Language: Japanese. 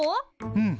うん。